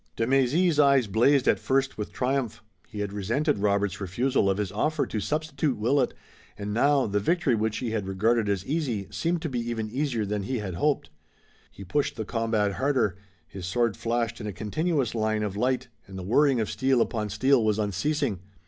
De Mézy's eyes blazed at first with triumph. He had resented Robert's refusal of his offer to substitute Willet, and now, the victory which he had regarded as easy seemed to be even easier than he had hoped. He pushed the combat harder. His sword flashed in a continuous line of light, and the whirring of steel upon steel was unceasing.